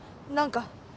何か。